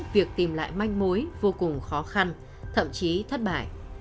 việc tìm lại manh mối vô cùng khó khăn thậm chí thất bại